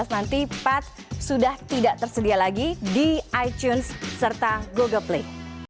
nanti path sudah tidak tersedia lagi di itunes serta google play